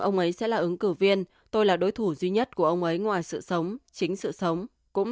ông trump nói về biden trên cnbc